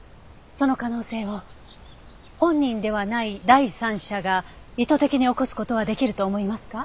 その可能性を本人ではない第三者が意図的に起こす事はできると思いますか？